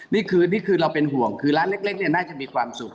นี่คือเราเป็นห่วงคือร้านเล็กน่าจะมีความสุข